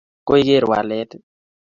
koigeer walet?